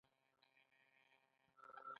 د بیسکويټو او ژاولو په کاروبار کې مورګان بریالی و